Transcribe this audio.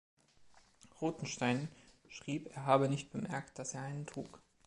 Rothenstein schrieb, er habe nicht bemerkt, dass er einen trug.